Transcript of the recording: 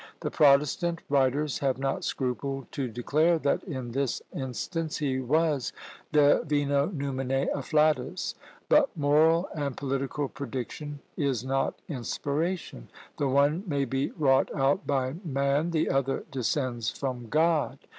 The protestant writers have not scrupled to declare that in this instance he was divino numine afflatus. But moral and political prediction is not inspiration; the one may be wrought out by man, the other descends from God.